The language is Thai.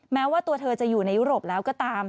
แม้ว่าตัวเธอจะอยู่ในยุโรปแล้วก็ตาม